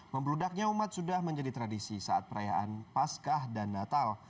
membeludaknya umat sudah menjadi tradisi saat perayaan pascah dan natal